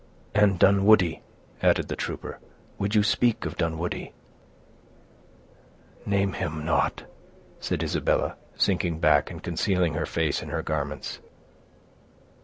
"And Dunwoodie!" added the trooper. "Would you speak of Dunwoodie?" "Name him not," said Isabella, sinking back, and concealing her face in her garments.